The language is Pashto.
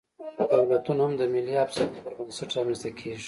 دولتونه هم د ملي افسانو پر بنسټ رامنځ ته کېږي.